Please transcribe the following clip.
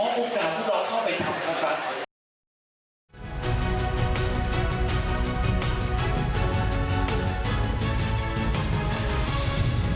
ขอโอกาสทุกคนเข้าไปทำกันกัน